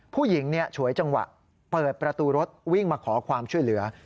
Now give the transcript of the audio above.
ฉวยจังหวะเปิดประตูรถวิ่งมาขอความช่วยเหลือ